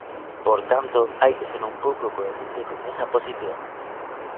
Por tanto, hai que ser un pouco coherente con esa posición.